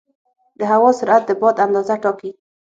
د هوا سرعت د باد اندازه ټاکي.